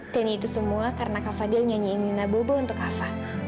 dan itu semua karena kak fadil nyanyiin luna bobo untuk kak fah